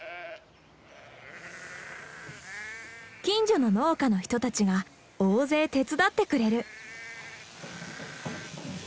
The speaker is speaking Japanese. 近所の農家の人たちが大勢手伝ってくれる。